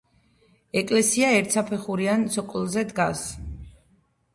ეკლესია ერთსაფეხურიან ცოკოლზე დგას.